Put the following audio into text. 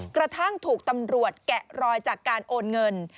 กระทั่งถูกตำรวจแกะรอยจากการโอนเงิน